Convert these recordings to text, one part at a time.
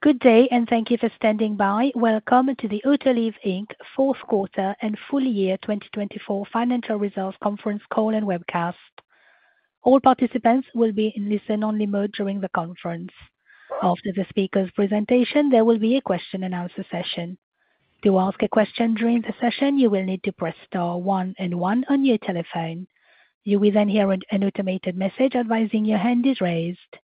Good day, and thank you for standing by. Welcome to the Autoliv Inc. fourth quarter and full year 2024 financial results conference call and webcast. All participants will be in listen-only mode during the conference. After the speaker's presentation, there will be a question-and-answer session. To ask a question during the session, you will need to press star one and one on your telephone. You will then hear an automated message advising your hand is raised.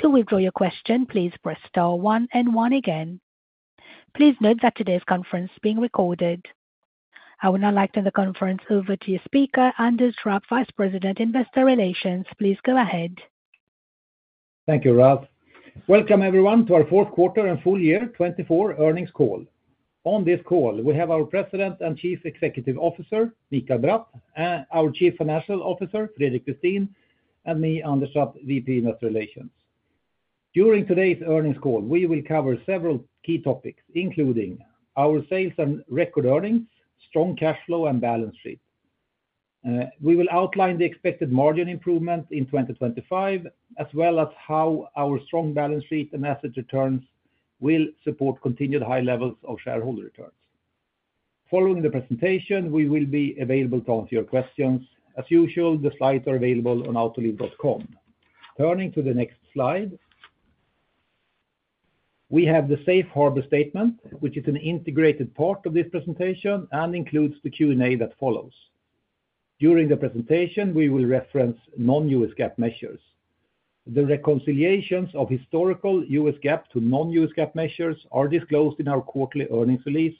To withdraw your question, please press star one and one again. Please note that today's conference is being recorded. I will now turn the conference over to your speaker, Anders Trapp, Vice President, Investor Relations. Please go ahead. Thank you, Ralph. Welcome, everyone, to our fourth quarter and full year 2024 earnings call. On this call, we have our President and Chief Executive Officer, Mikael Bratt, our Chief Financial Officer, Fredrik Westin, and me, Anders Trapp, VP Investor Relations. During today's earnings call, we will cover several key topics, including our sales and record earnings, strong cash flow, and balance sheet. We will outline the expected margin improvement in 2025, as well as how our strong balance sheet and asset returns will support continued high levels of shareholder returns. Following the presentation, we will be available to answer your questions. As usual, the slides are available on autoliv.com. Turning to the next slide, we have the Safe Harbor Statement, which is an integrated part of this presentation and includes the Q&A that follows. During the presentation, we will reference non-U.S. GAAP measures. The reconciliations of historical U.S. GAAP to non-U.S. GAAP measures are disclosed in our Quarterly Earnings Release,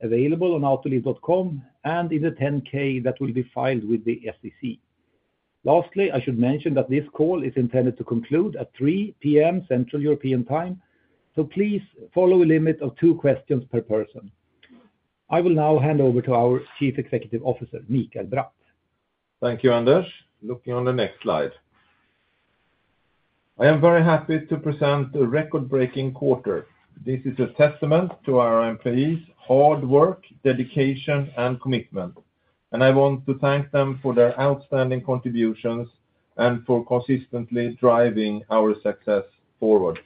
available on autoliv.com, and in the 10-K that will be filed with the SEC. Lastly, I should mention that this call is intended to conclude at 3:00 P.M. Central European Time, so please follow a limit of two questions per person. I will now hand over to our Chief Executive Officer, Mikael Bratt. Thank you, Anders. Looking on the next slide, I am very happy to present the record-breaking quarter. This is a testament to our employees' hard work, dedication, and commitment, and I want to thank them for their outstanding contributions and for consistently driving our success forward.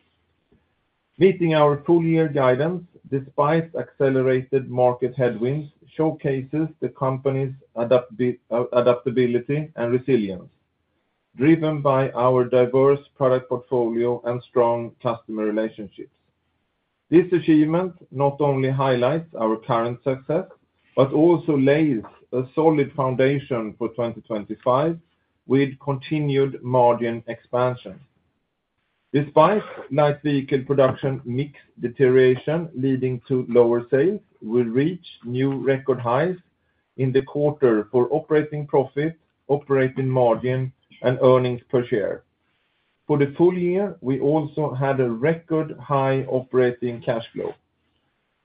Meeting our full-year guidance, despite accelerated market headwinds, showcases the company's adaptability and resilience, driven by our diverse product portfolio and strong customer relationships. This achievement not only highlights our current success but also lays a solid foundation for 2025 with continued margin expansion. Despite light vehicle production mix deterioration leading to lower sales, we reached new record highs in the quarter for operating profit, operating margin, and earnings per share. For the full year, we also had a record high operating cash flow.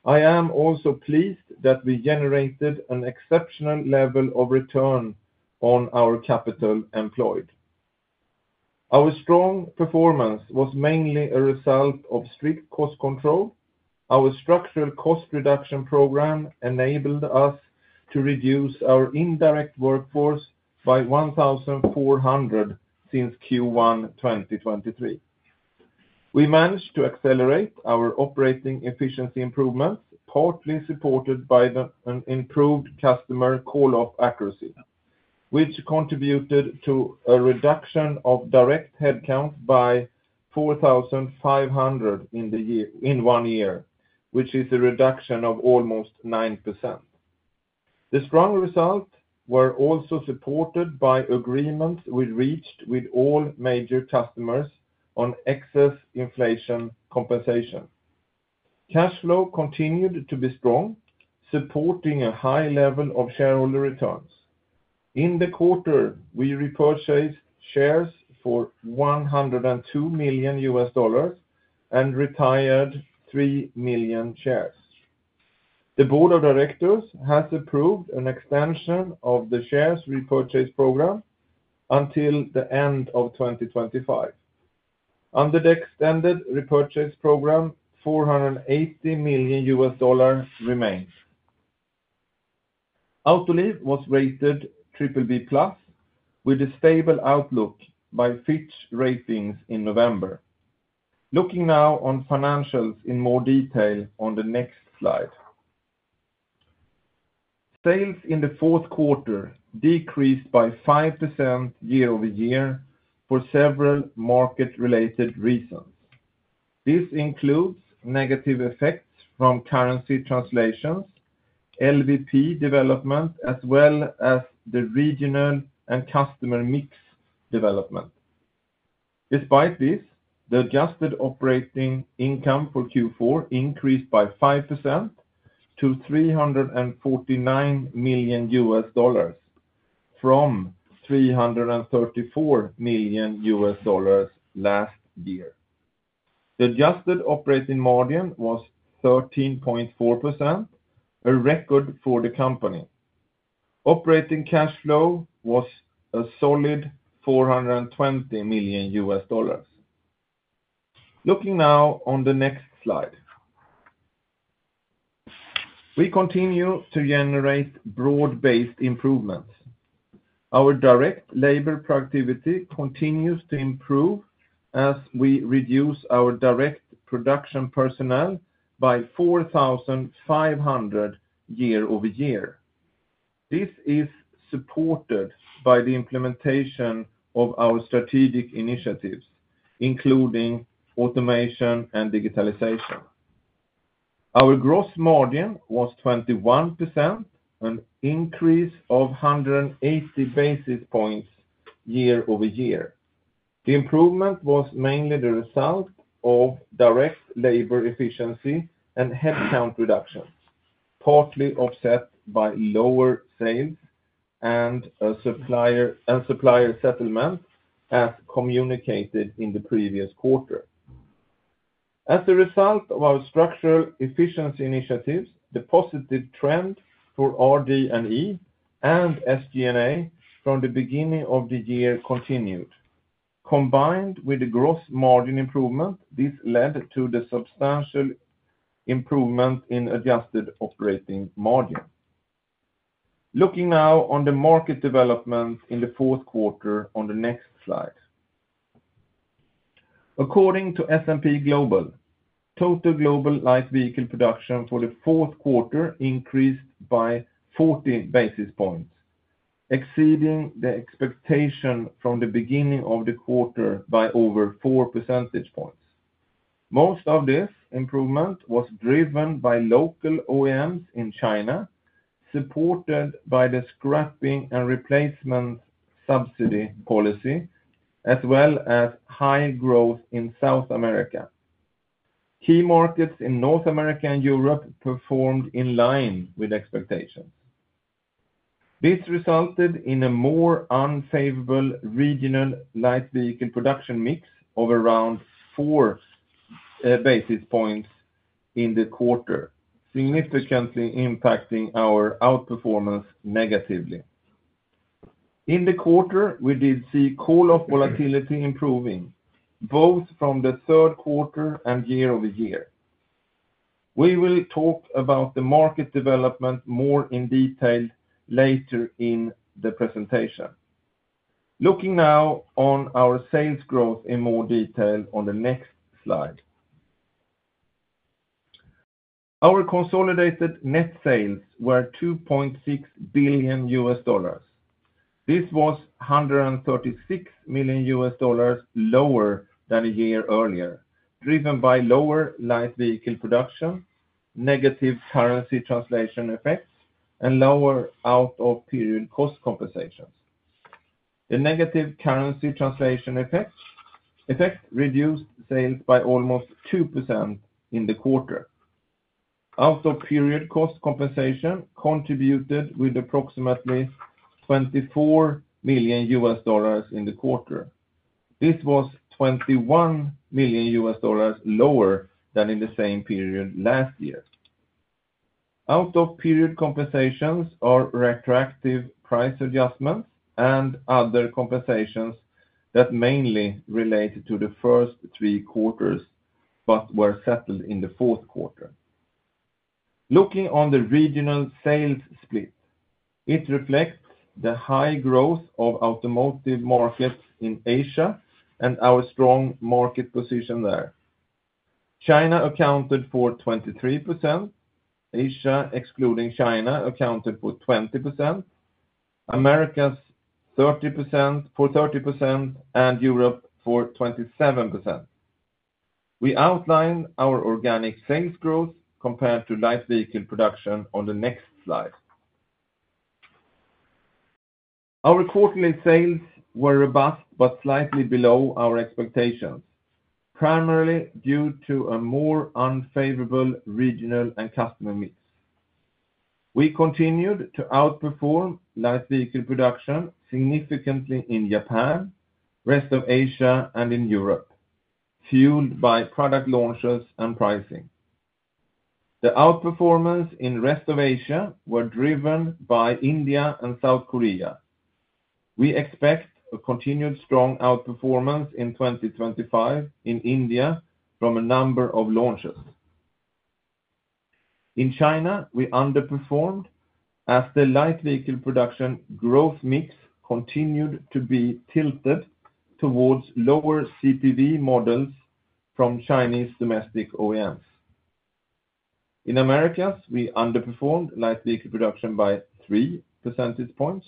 I am also pleased that we generated an exceptional level of return on our capital employed. Our strong performance was mainly a result of strict cost control. Our structural cost reduction program enabled us to reduce our indirect workforce by 1,400 since Q1 2023. We managed to accelerate our operating efficiency improvements, partly supported by an improved customer call-off accuracy, which contributed to a reduction of direct headcount by 4,500 in one year, which is a reduction of almost 9%. The strong results were also supported by agreements we reached with all major customers on excess inflation compensation. Cash flow continued to be strong, supporting a high level of shareholder returns. In the quarter, we repurchased shares for $102 million and retired 3 million shares. The Board of Directors has approved an extension of the shares repurchase program until the end of 2025. Under the extended repurchase program, $480 million remains. Autoliv was rated BBB+, with a stable outlook by Fitch Ratings in November. Looking now on financials in more detail on the next slide, sales in the fourth quarter decreased by 5% year over year for several market-related reasons. This includes negative effects from currency translations, LVP development, as well as the regional and customer mix development. Despite this, the adjusted operating income for Q4 increased by 5% to $349 million, from $334 million last year. The adjusted operating margin was 13.4%, a record for the company. Operating cash flow was a solid $420 million. Looking now on the next slide, we continue to generate broad-based improvements. Our direct labor productivity continues to improve as we reduce our direct production personnel by 4,500 year over year. This is supported by the implementation of our strategic initiatives, including automation and digitalization. Our gross margin was 21%, an increase of 180 basis points year over year. The improvement was mainly the result of direct labor efficiency and headcount reductions, partly offset by lower sales and supplier settlement, as communicated in the previous quarter. As a result of our structural efficiency initiatives, the positive trend for RD&E and SG&A from the beginning of the year continued. Combined with the gross margin improvement, this led to the substantial improvement in adjusted operating margin. Looking now on the market development in the fourth quarter on the next slide, according to S&P Global, total global light vehicle production for the fourth quarter increased by 40 basis points, exceeding the expectation from the beginning of the quarter by over 4 percentage points. Most of this improvement was driven by local OEMs in China, supported by the scrappage and replacement subsidy policy, as well as high growth in South America. Key markets in North America and Europe performed in line with expectations. This resulted in a more unfavorable regional light vehicle production mix of around 4 basis points in the quarter, significantly impacting our outperformance negatively. In the quarter, we did see call-off volatility improving, both from the third quarter and year over year. We will talk about the market development more in detail later in the presentation. Looking now on our sales growth in more detail on the next slide, our consolidated net sales were $2.6 billion. This was $136 million lower than a year earlier, driven by lower light vehicle production, negative currency translation effects, and lower out-of-period cost compensations. The negative currency translation effect reduced sales by almost 2% in the quarter. Out-of-period compensation contributed with approximately $24 million in the quarter. This was $21 million lower than in the same period last year. Out-of-period compensations are retroactive price adjustments and other compensations that mainly relate to the first three quarters but were settled in the fourth quarter. Looking on the regional sales split, it reflects the high growth of automotive markets in Asia and our strong market position there. China accounted for 23%. Asia, excluding China, accounted for 20%. America for 30%, and Europe for 27%. We outline our organic sales growth compared to light vehicle production on the next slide. Our quarterly sales were robust but slightly below our expectations, primarily due to a more unfavorable regional and customer mix. We continued to outperform light vehicle production significantly in Japan, the rest of Asia, and in Europe, fueled by product launches and pricing. The outperformance in the rest of Asia was driven by India and South Korea. We expect a continued strong outperformance in 2025 in India from a number of launches. In China, we underperformed as the light vehicle production growth mix continued to be tilted towards lower CPV models from Chinese domestic OEMs. In America, we underperformed light vehicle production by 3 percentage points,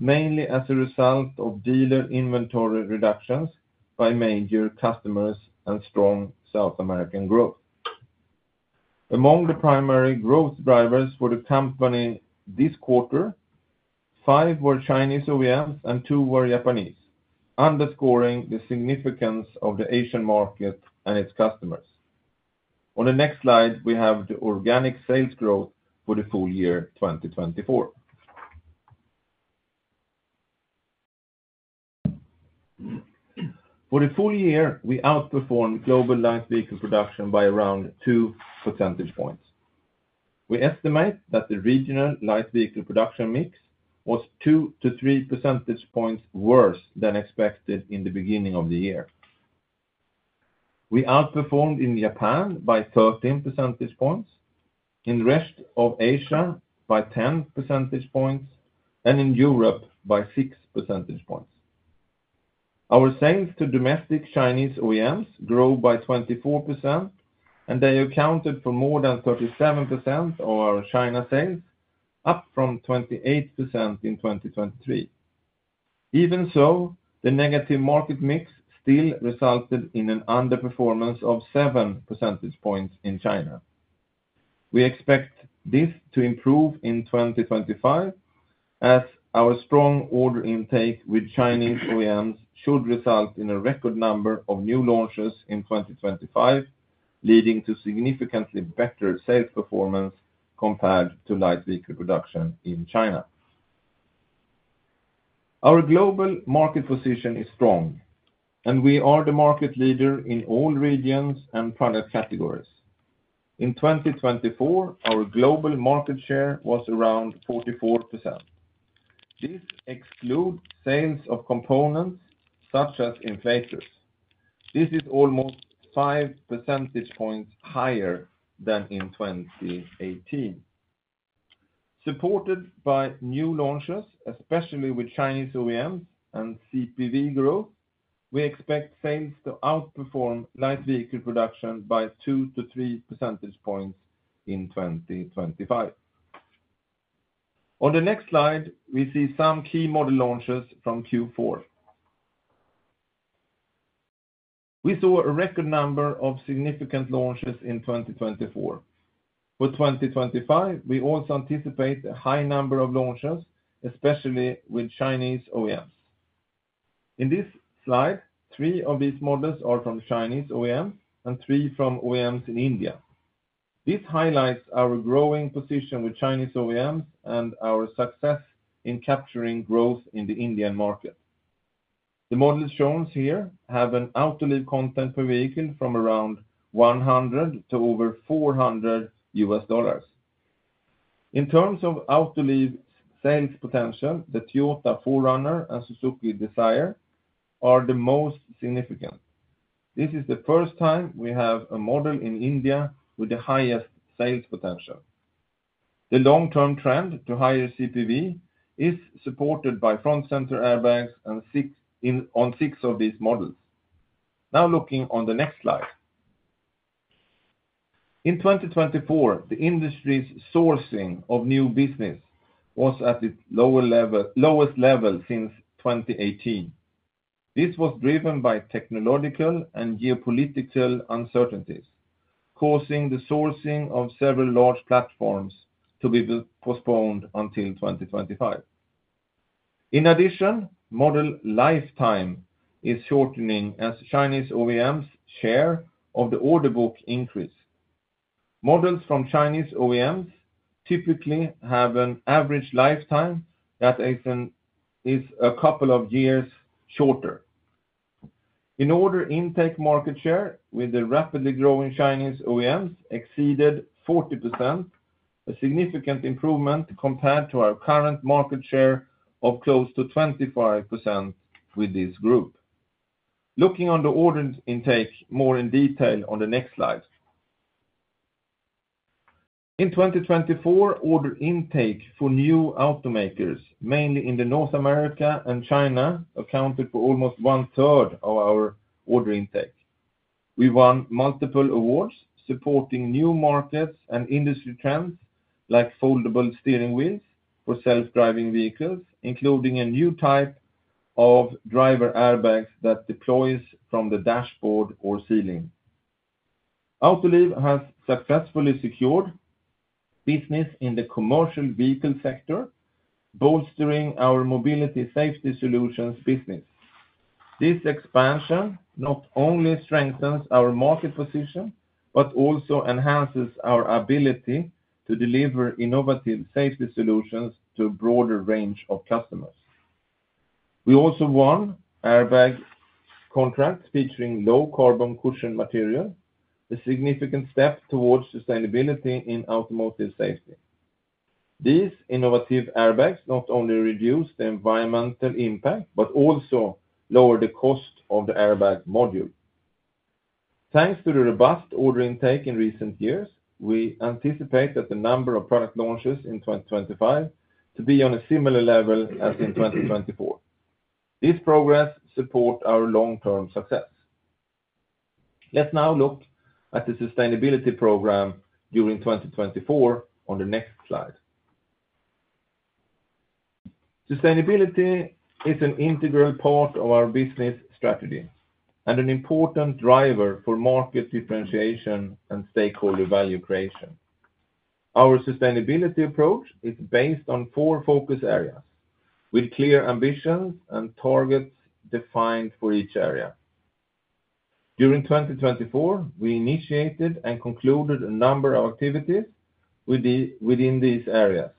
mainly as a result of dealer inventory reductions by major customers and strong South American growth. Among the primary growth drivers for the company this quarter, five were Chinese OEMs and two were Japanese, underscoring the significance of the Asian market and its customers. On the next slide, we have the organic sales growth for the full year 2024. For the full year, we outperformed global light vehicle production by around two percentage points. We estimate that the regional light vehicle production mix was two to three percentage points worse than expected in the beginning of the year. We outperformed in Japan by 13 percentage points, in the rest of Asia by 10 percentage points, and in Europe by 6 percentage points. Our sales to domestic Chinese OEMs grew by 24%, and they accounted for more than 37% of our China sales, up from 28% in 2023. Even so, the negative market mix still resulted in an underperformance of seven percentage points in China. We expect this to improve in 2025, as our strong order intake with Chinese OEMs should result in a record number of new launches in 2025, leading to significantly better sales performance compared to light vehicle production in China. Our global market position is strong, and we are the market leader in all regions and product categories. In 2024, our global market share was around 44%. This excludes sales of components such as inflators. This is almost 5 percentage points higher than in 2018. Supported by new launches, especially with Chinese OEMs and CPV growth, we expect sales to outperform light vehicle production by 2-3 percentage points in 2025. On the next slide, we see some key model launches from Q4. We saw a record number of significant launches in 2024. For 2025, we also anticipate a high number of launches, especially with Chinese OEMs. In this slide, three of these models are from Chinese OEMs and three from OEMs in India. This highlights our growing position with Chinese OEMs and our success in capturing growth in the Indian market. The models shown here have an Autoliv content per vehicle from around $100 to over $400. In terms of Autoliv sales potential, the Toyota 4Runner and Suzuki Dzire are the most significant. This is the first time we have a model in India with the highest sales potential. The long-term trend to higher CPV is supported by front-center airbags on six of these models. Now, looking on the next slide, in 2024, the industry's sourcing of new business was at its lowest level since 2018. This was driven by technological and geopolitical uncertainties, causing the sourcing of several large platforms to be postponed until 2025. In addition, model lifetime is shortening as Chinese OEMs share of the order book increase. Models from Chinese OEMs typically have an average lifetime that is a couple of years shorter. In order intake, market share with the rapidly growing Chinese OEMs exceeded 40%, a significant improvement compared to our current market share of close to 25% with this group. Looking on the order intake more in detail on the next slide, in 2024, order intake for new automakers, mainly in North America and China, accounted for almost one-third of our order intake. We won multiple awards supporting new markets and industry trends, like foldable steering wheels for self-driving vehicles, including a new type of driver airbags that deploys from the dashboard or ceiling. Autoliv has successfully secured business in the commercial vehicle sector, bolstering our mobility safety solutions business. This expansion not only strengthens our market position but also enhances our ability to deliver innovative safety solutions to a broader range of customers. We also won airbag contracts featuring low carbon cushion material, a significant step towards sustainability in automotive safety. These innovative airbags not only reduce the environmental impact but also lower the cost of the airbag module. Thanks to the robust order intake in recent years, we anticipate that the number of product launches in 2025 to be on a similar level as in 2024. This progress supports our long-term success. Let's now look at the sustainability program during 2024 on the next slide. Sustainability is an integral part of our business strategy and an important driver for market differentiation and stakeholder value creation. Our sustainability approach is based on four focus areas with clear ambitions and targets defined for each area. During 2024, we initiated and concluded a number of activities within these areas.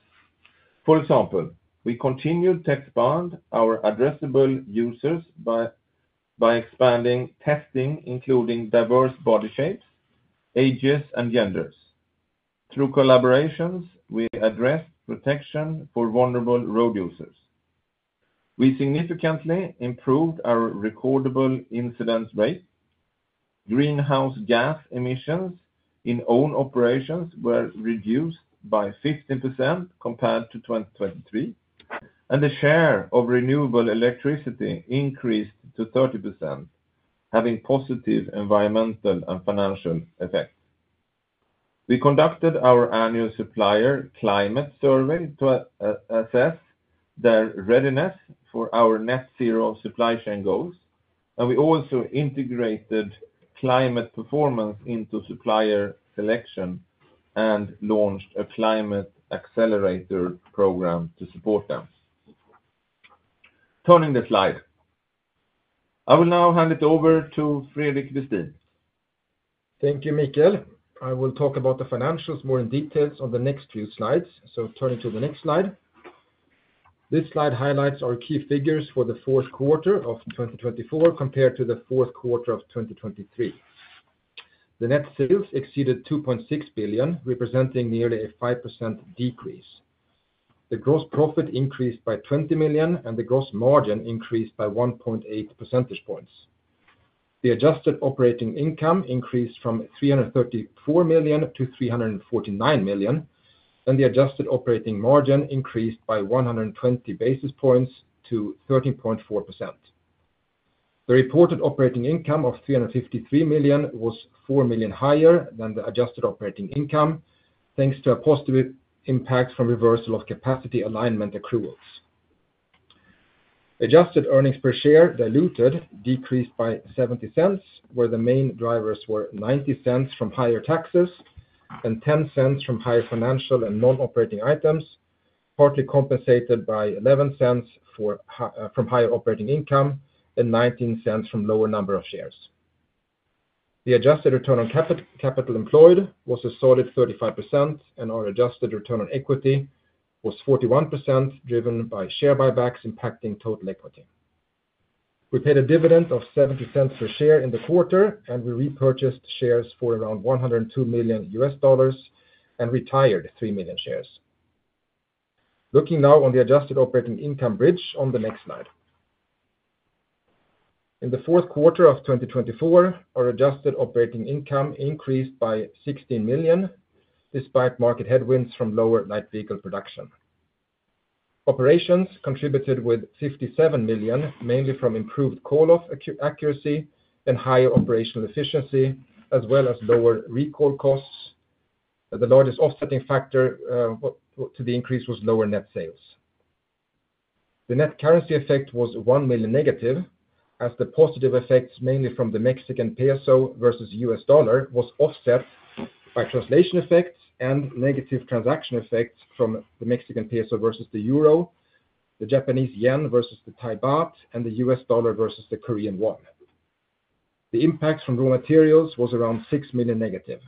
For example, we continued to expand our addressable users by expanding testing, including diverse body shapes, ages, and genders. Through collaborations, we addressed protection for vulnerable road users. We significantly improved our recordable incident rate. Greenhouse gas emissions in own operations were reduced by 15% compared to 2023, and the share of renewable electricity increased to 30%, having positive environmental and financial effects. We conducted our annual supplier climate survey to assess their readiness for our net zero supply chain goals, and we also integrated climate performance into supplier selection and launched a climate accelerator program to support them. Turning the slide, I will now hand it over to Fredrik Westin. Thank you, Mikael. I will talk about the financials more in detail on the next few slides. Turning to the next slide, this slide highlights our key figures for the fourth quarter of 2024 compared to the fourth quarter of 2023. The net sales exceeded $2.6 billion, representing nearly a 5% decrease. The gross profit increased by $20 million, and the gross margin increased by 1.8 percentage points. The adjusted operating income increased from $334 million to $349 million, and the adjusted operating margin increased by 120 basis points to 13.4%. The reported operating income of $353 million was $4 million higher than the adjusted operating income, thanks to a positive impact from reversal of capacity alignment accruals. Adjusted earnings per share, diluted, decreased by $0.70, where the main drivers were $0.90 from higher taxes and $0.10 from higher financial and non-operating items, partly compensated by $0.11 from higher operating income and $0.19 from lower number of shares. The adjusted return on capital employed was a solid 35%, and our adjusted return on equity was 41%, driven by share buybacks impacting total equity. We paid a dividend of $0.70 per share in the quarter, and we repurchased shares for around $102 million and retired 3 million shares. Looking now on the adjusted operating income bridge on the next slide. In the fourth quarter of 2024, our adjusted operating income increased by $16 million despite market headwinds from lower light vehicle production. Operations contributed with $57 million, mainly from improved call-off accuracy and higher operational efficiency, as well as lower recall costs. The largest offsetting factor to the increase was lower net sales. The net currency effect was $1 million negative, as the positive effects, mainly from the Mexican peso versus U.S. dollar, were offset by translation effects and negative transaction effects from the Mexican peso versus the euro, the Japanese yen versus the Thai baht, and the U.S. dollar versus the Korean won. The impact from raw materials was around $6 million negative.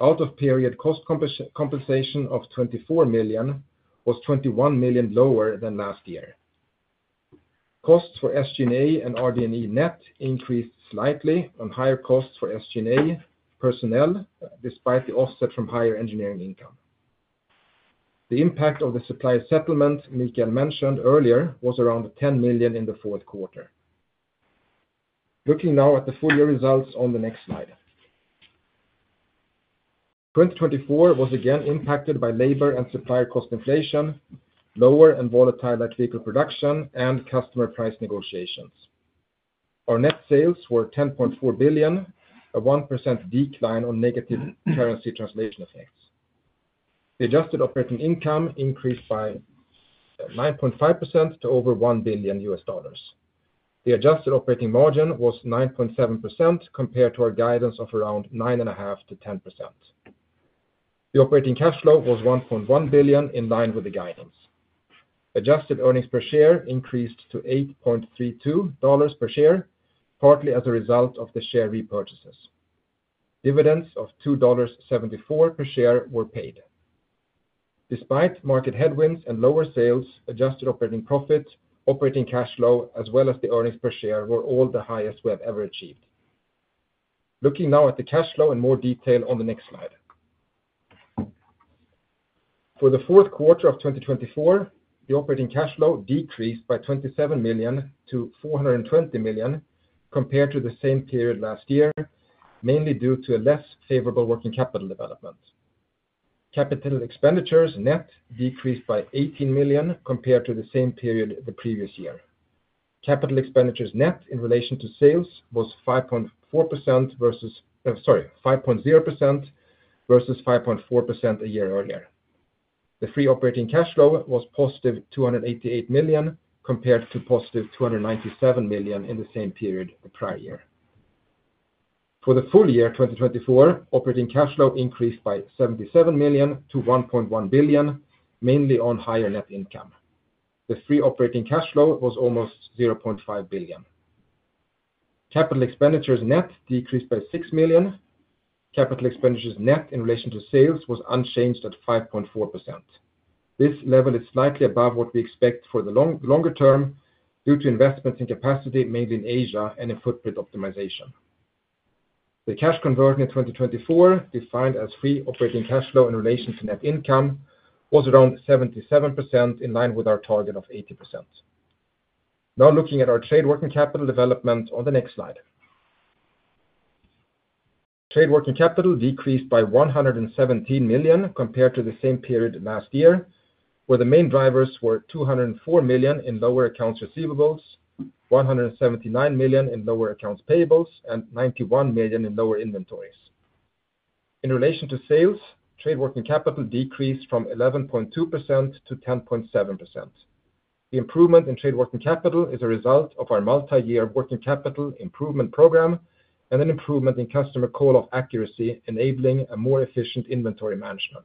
Out-of-period cost compensation of $24 million was $21 million lower than last year. Costs for SG&A and RD&E net increased slightly on higher costs for SG&A personnel, despite the offset from higher engineering income. The impact of the supplier settlement Mikael mentioned earlier was around $10 million in the fourth quarter. Looking now at the full year results on the next slide, 2024 was again impacted by labor and supplier cost inflation, lower and volatile light vehicle production, and customer price negotiations. Our net sales were $10.4 billion, a 1% decline on negative currency translation effects. The adjusted operating income increased by 9.5% to over $1 billion. The adjusted operating margin was 9.7% compared to our guidance of around 9.5%-10%. The operating cash flow was $1.1 billion, in line with the guidance. Adjusted earnings per share increased to $8.32 per share, partly as a result of the share repurchases. Dividends of $2.74 per share were paid. Despite market headwinds and lower sales, adjusted operating profit, operating cash flow, as well as the earnings per share, were all the highest we have ever achieved. Looking now at the cash flow in more detail on the next slide. For the fourth quarter of 2024, the operating cash flow decreased by $27 million to $420 million compared to the same period last year, mainly due to a less favorable working capital development. Capital expenditures net decreased by $18 million compared to the same period the previous year. Capital expenditures net in relation to sales was 5.4% versus 5.0% versus 5.4% a year earlier. The free operating cash flow was positive $288 million compared to positive $297 million in the same period the prior year. For the full year 2024, operating cash flow increased by $77 million to $1.1 billion, mainly on higher net income. The free operating cash flow was almost $0.5 billion. Capital expenditures net decreased by $6 million. Capital expenditures net in relation to sales was unchanged at 5.4%. This level is slightly above what we expect for the longer term due to investments in capacity, mainly in Asia and in footprint optimization. The cash conversion in 2024, defined as free operating cash flow in relation to net income, was around 77%, in line with our target of 80%. Now, looking at our trade working capital development on the next slide. Trade working capital decreased by $117 million compared to the same period last year, where the main drivers were $204 million in lower accounts receivables, $179 million in lower accounts payables, and $91 million in lower inventories. In relation to sales, trade working capital decreased from 11.2% to 10.7%. The improvement in trade working capital is a result of our multi-year working capital improvement program and an improvement in customer call-off accuracy, enabling a more efficient inventory management.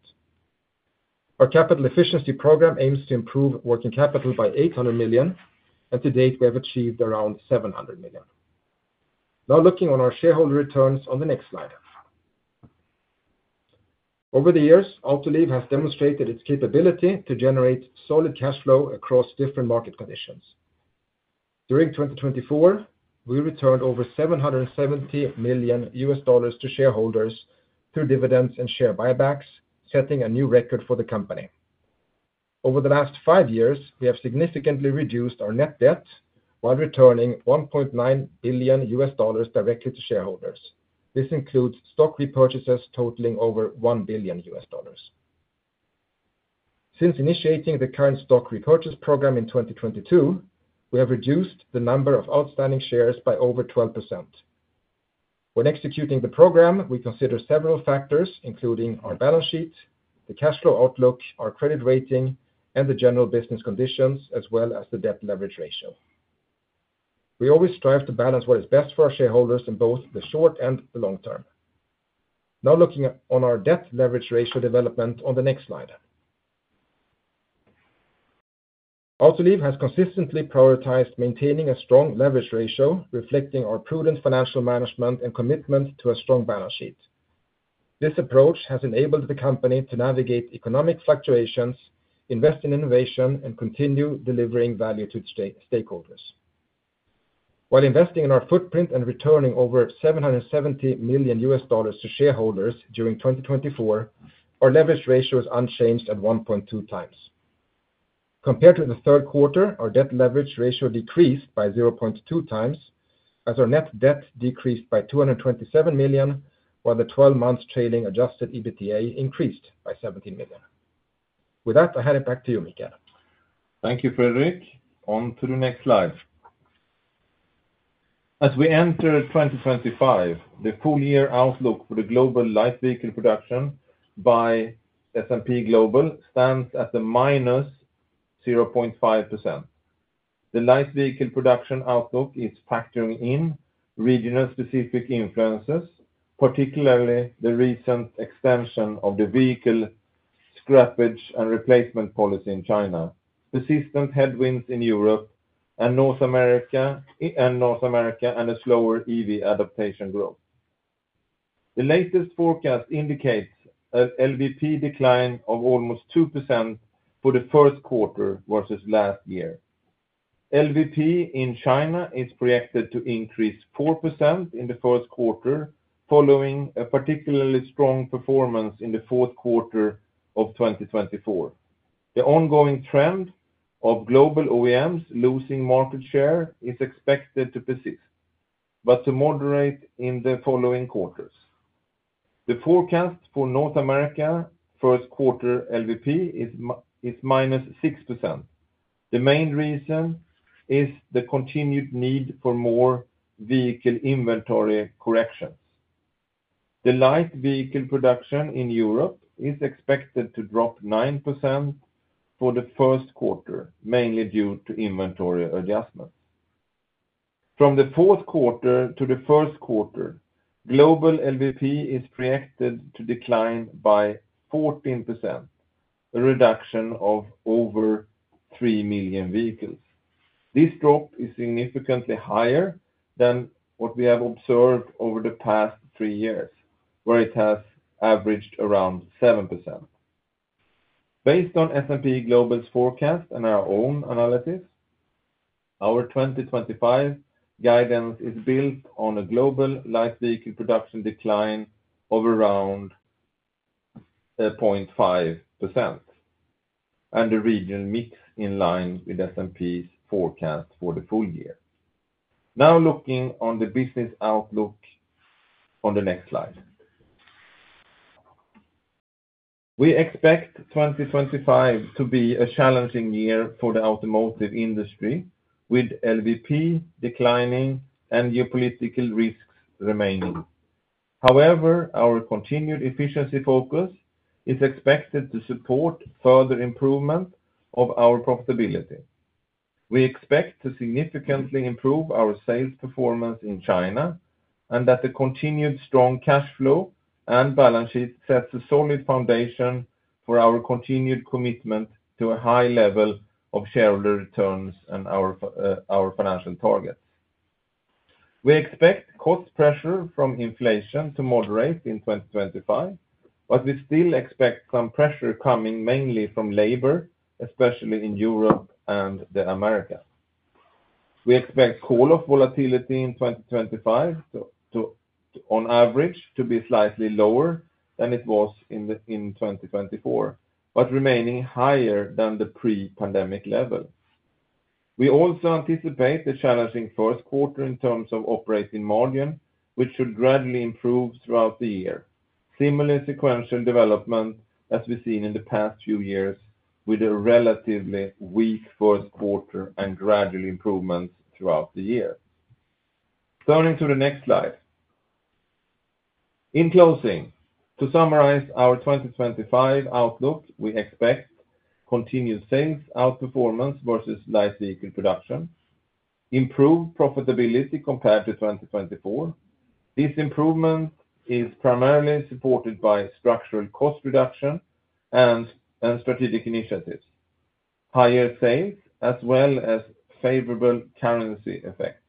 Our capital efficiency program aims to improve working capital by $800 million, and to date, we have achieved around $700 million. Now, looking on our shareholder returns on the next slide. Over the years, Autoliv has demonstrated its capability to generate solid cash flow across different market conditions. During 2024, we returned over $770 million to shareholders through dividends and share buybacks, setting a new record for the company. Over the last five years, we have significantly reduced our net debt while returning $1.9 billion directly to shareholders. This includes stock repurchases totaling over $1 billion. Since initiating the current stock repurchase program in 2022, we have reduced the number of outstanding shares by over 12%. When executing the program, we consider several factors, including our balance sheet, the cash flow outlook, our credit rating, and the general business conditions, as well as the debt leverage ratio. We always strive to balance what is best for our shareholders in both the short and the long term. Now, looking on our debt leverage ratio development on the next slide. Autoliv has consistently prioritized maintaining a strong leverage ratio, reflecting our prudent financial management and commitment to a strong balance sheet. This approach has enabled the company to navigate economic fluctuations, invest in innovation, and continue delivering value to stakeholders. While investing in our footprint and returning over $770 million to shareholders during 2024, our leverage ratio is unchanged at 1.2x. Compared to the third quarter, our debt leverage ratio decreased by 0.2x, as our net debt decreased by $227 million, while the 12-month trailing adjusted EBITDA increased by $17 million. With that, I hand it back to you, Mikael. Thank you, Fredrik. On to the next slide. As we enter 2025, the full year outlook for the global light vehicle production by S&P Global stands at a -0.5%. The light vehicle production outlook is factoring in regional specific influences, particularly the recent extension of the vehicle scrappage and replacement policy in China, persistent headwinds in Europe and North America, and a slower EV adoption growth. The latest forecast indicates an LVP decline of almost 2% for the first quarter versus last year. LVP in China is projected to increase 4% in the first quarter, following a particularly strong performance in the fourth quarter of 2024. The ongoing trend of global OEMs losing market share is expected to persist, but to moderate in the following quarters. The forecast for North America's first quarter LVP is -6%. The main reason is the continued need for more vehicle inventory corrections. The light vehicle production in Europe is expected to drop 9% for the first quarter, mainly due to inventory adjustments. From the fourth quarter to the first quarter, global LVP is projected to decline by 14%, a reduction of over 3 million vehicles. This drop is significantly higher than what we have observed over the past three years, where it has averaged around 7%. Based on S&P Global's forecast and our own analysis, our 2025 guidance is built on a global light vehicle production decline of around 0.5%, and the region meets in line with S&P's forecast for the full year. Now, looking on the business outlook on the next slide. We expect 2025 to be a challenging year for the automotive industry, with LVP declining and geopolitical risks remaining. However, our continued efficiency focus is expected to support further improvement of our profitability. We expect to significantly improve our sales performance in China and that the continued strong cash flow and balance sheet sets a solid foundation for our continued commitment to a high level of shareholder returns and our financial targets. We expect cost pressure from inflation to moderate in 2025, but we still expect some pressure coming mainly from labor, especially in Europe and America. We expect call-off volatility in 2025 to, on average, be slightly lower than it was in 2024, but remaining higher than the pre-pandemic level. We also anticipate a challenging first quarter in terms of operating margin, which should gradually improve throughout the year. Similar sequential development as we've seen in the past few years, with a relatively weak first quarter and gradual improvements throughout the year. Turning to the next slide. In closing, to summarize our 2025 outlook, we expect continued sales outperformance versus light vehicle production, improved profitability compared to 2024. This improvement is primarily supported by structural cost reduction and strategic initiatives, higher sales, as well as favorable currency effects.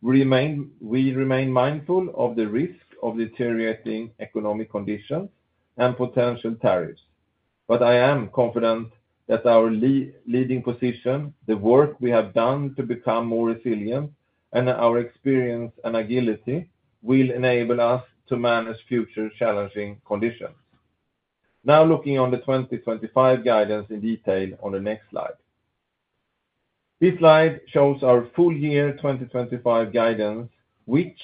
We remain mindful of the risk of deteriorating economic conditions and potential tariffs, but I am confident that our leading position, the work we have done to become more resilient, and our experience and agility will enable us to manage future challenging conditions. Now, looking on the 2025 guidance in detail on the next slide. This slide shows our full year 2025 guidance, which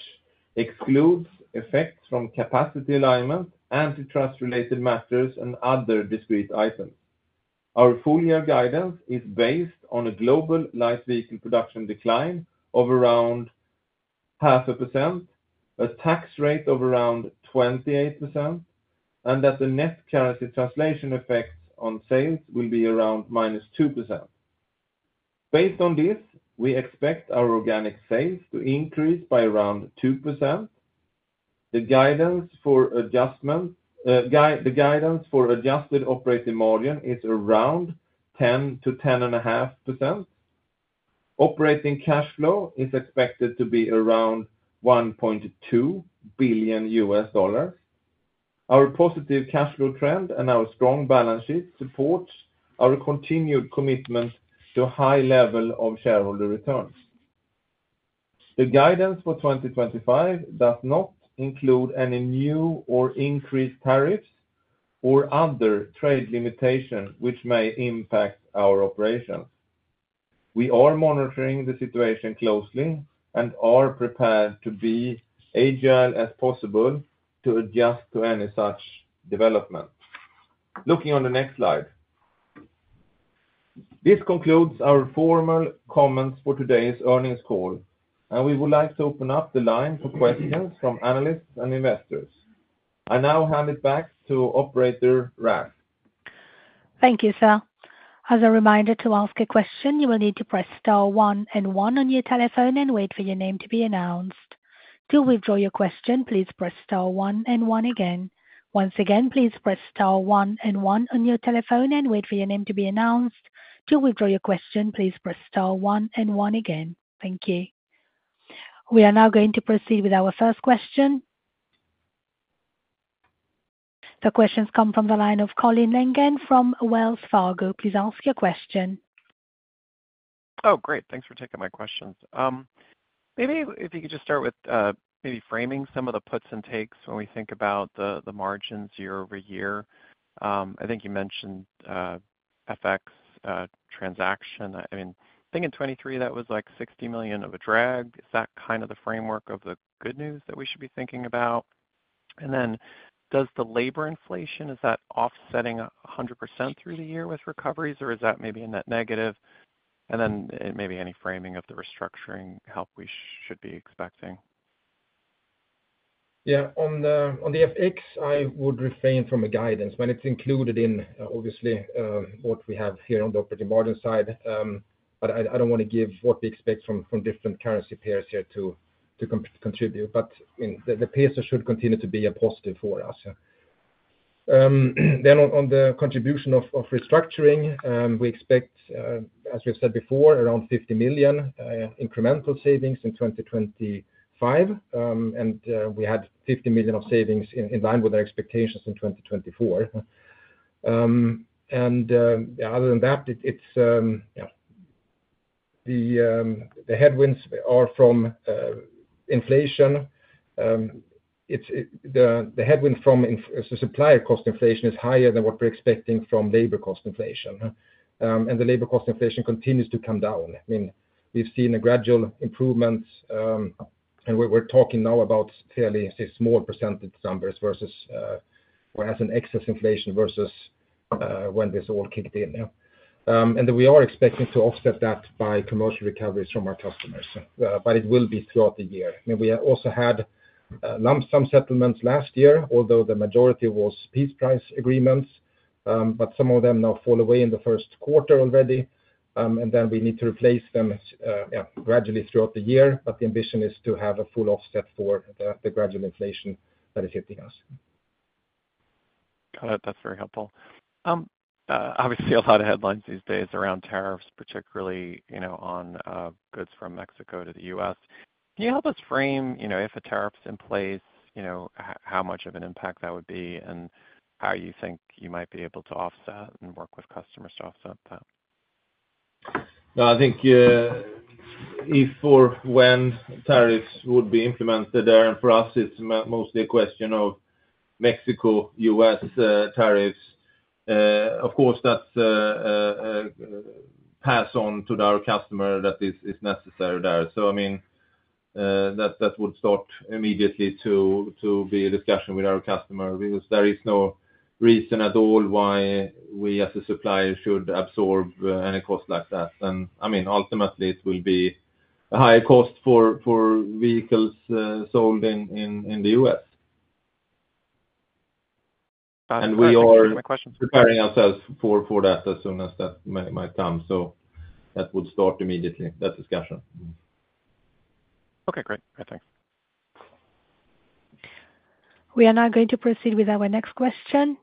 excludes effects from capacity alignment, antitrust-related matters, and other discrete items. Our full-year guidance is based on a global light vehicle production decline of around 0.5%, a tax rate of around 28%, and that the net currency translation effects on sales will be around -2%. Based on this, we expect our organic sales to increase by around 2%. The guidance for adjusted operating margin is around 10%-10.5%. Operating cash flow is expected to be around $1.2 billion. Our positive cash flow trend and our strong balance sheet support our continued commitment to a high level of shareholder returns. The guidance for 2025 does not include any new or increased tariffs or other trade limitations which may impact our operations. We are monitoring the situation closely and are prepared to be as agile as possible to adjust to any such development. Looking on the next slide. This concludes our formal comments for today's earnings call, and we would like to open up the line for questions from analysts and investors. I now hand it back to Operator Ralph. Thank you, sir. As a reminder to ask a question, you will need to press star 1 and 1 on your telephone and wait for your name to be announced. To withdraw your question, please press star one and one again. Once again, please press star one and one on your telephone and wait for your name to be announced. To withdraw your question, please press star one and one again. Thank you. We are now going to proceed with our first question. The questions come from the line of Colin Langan from Wells Fargo. Please ask your question. Oh, great. Thanks for taking my questions. Maybe if you could just start with maybe framing some of the puts and takes when we think about the margins year over year. I think you mentioned FX transaction. I mean, I think in 2023 that was like $60 million of a drag. Is that kind of the framework of the good news that we should be thinking about? And then does the labor inflation, is that offsetting 100% through the year with recoveries, or is that maybe a net negative? And then maybe any framing of the restructuring help we should be expecting. Yeah, on the FX, I would refrain from a guidance when it's included in, obviously, what we have here on the operating margin side. But I don't want to give what we expect from different currency pairs here to contribute. But the pairs should continue to be a positive for us. Then on the contribution of restructuring, we expect, as we've said before, around $50 million incremental savings in 2025. And we had $50 million of savings in line with our expectations in 2024. And other than that, the headwinds are from inflation. The headwind from supplier cost inflation is higher than what we're expecting from labor cost inflation. And the labor cost inflation continues to come down. I mean, we've seen a gradual improvement, and we're talking now about fairly small percentage numbers versus what has an excess inflation versus when this all kicked in. And we are expecting to offset that by commercial recoveries from our customers. But it will be throughout the year. I mean, we also had some settlements last year, although the majority was piece price agreements. But some of them now fall away in the first quarter already. And then we need to replace them gradually throughout the year. But the ambition is to have a full offset for the gradual inflation that is hitting us. Got it. That's very helpful. Obviously, a lot of headlines these days around tariffs, particularly on goods from Mexico to the U.S. Can you help us frame if a tariff's in place, how much of an impact that would be, and how you think you might be able to offset and work with customers to offset that? I think if or when tariffs would be implemented there. And for us, it's mostly a question of Mexico, U.S. tariffs. Of course, that's passed on to our customer that is necessary there. So I mean, that would start immediately to be a discussion with our customer. There is no reason at all why we, as a supplier, should absorb any cost like that. And I mean, ultimately, it will be a higher cost for vehicles sold in the U.S. And we are preparing ourselves for that as soon as that might come. So that would start immediately, that discussion. Okay, great. Thanks. We are now going to proceed with our next question.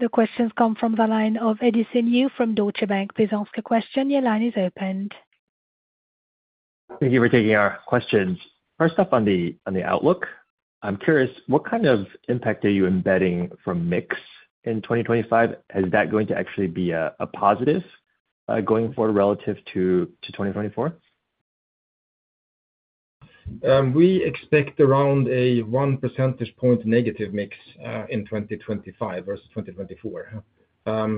The questions come from the line of Edison Yu from Deutsche Bank. Please ask a question. Your line is open. Thank you for taking our questions. First up on the outlook, I'm curious, what kind of impact are you embedding from mix in 2025? Is that going to actually be a positive going forward relative to 2024? We expect around a 1 percentage point negative mix in 2025 versus 2024.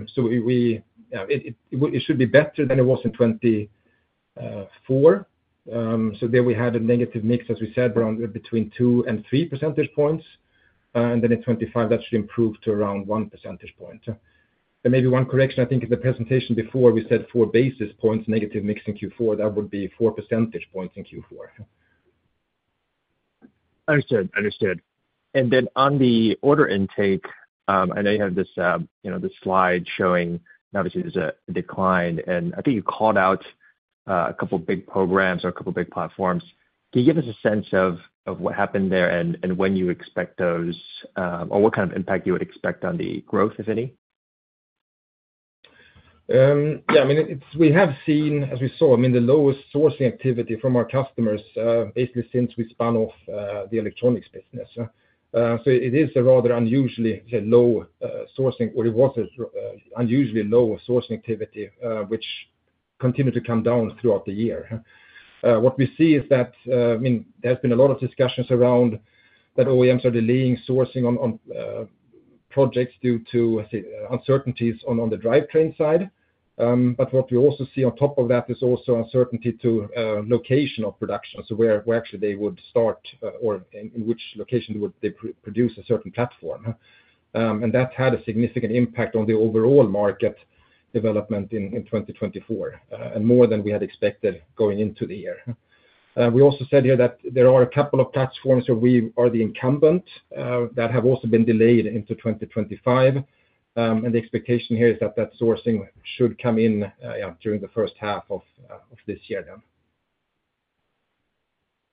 So it should be better than it was in 2024. So there we had a negative mix, as we said, around between 2 and 3 percentage points. And then in 2025, that should improve to around 1 percentage point. And maybe one correction, I think in the presentation before, we said 4 basis points negative mix in Q4. That would be 4 percentage points in Q4. Understood. Understood. And then on the order intake, I know you have this slide showing, obviously, there's a decline. And I think you called out a couple of big programs or a couple of big platforms. Can you give us a sense of what happened there and when you expect those or what kind of impact you would expect on the growth, if any? Yeah, I mean, we have seen, as we saw, I mean, the lowest sourcing activity from our customers basically since we spun off the electronics business. So it is a rather unusually low sourcing, or it was an unusually low sourcing activity, which continued to come down throughout the year. What we see is that, I mean, there has been a lot of discussions around that OEMs are delaying sourcing on projects due to uncertainties on the drivetrain side. But what we also see on top of that is also uncertainty to location of production, so where actually they would start or in which location they would produce a certain platform. And that had a significant impact on the overall market development in 2024, and more than we had expected going into the year. We also said here that there are a couple of platforms where we are the incumbent that have also been delayed into 2025. And the expectation here is that that sourcing should come in during the first half of this year then.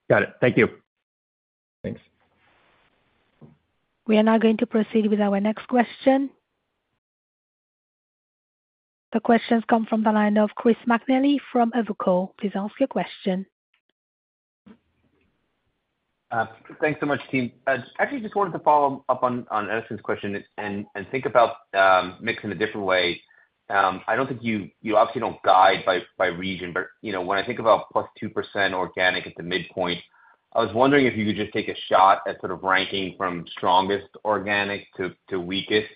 Got it. Thank you. Thanks. We are now going to proceed with our next question. The questions come from the line of Chris McNally from Evercore. Please ask your question. Thanks so much, team. Actually, I just wanted to follow up on Edison's question and think about mixing a different way. I don't think you obviously don't guide by region, but when I think about +2% organic at the midpoint, I was wondering if you could just take a shot at sort of ranking from strongest organic to weakest